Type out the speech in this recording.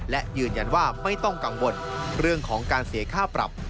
และยืนยันว่าไม่ต้องกังวลเรื่องของการเสียค่าปรับ